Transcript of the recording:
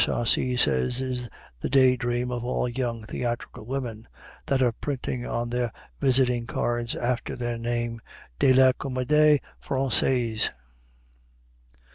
Sarcey says is the day dream of all young theatrical women that of printing on their visiting cards, after their name, de la Comédie Française.)